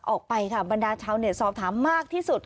ออกไปค่ะบรรดาชาวเน็ตสอบถามมากที่สุด